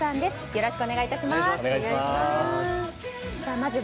よろしくお願いします。